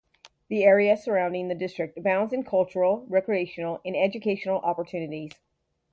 The area surrounding the district abounds in cultural, recreational and educational opportunities.